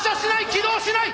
起動しない！